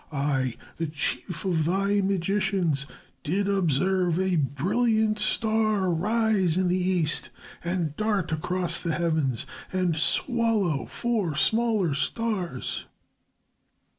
I, the chief of thy magicians, did observe a brilliant star rise in the east and dart across the heavens and swallow four smaller stars."